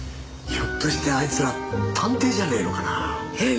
ひょっとしてあいつら探偵じゃねえのかな？えっ嘘！？